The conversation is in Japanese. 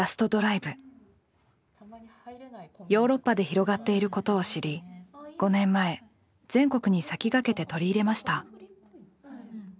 ヨーロッパで広がっていることを知り５年前全国に先駆けて取り入れました。